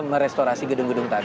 merestorasi gedung gedung tadi